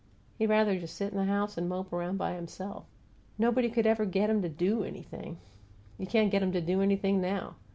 He'd rather just sit in the house and mope around by himself. Nobody could ever get him to DO anything; you can't get him to do anything now.